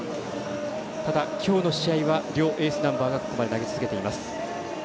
ただ、今日の試合は両エースナンバーがここまで投げ続けています。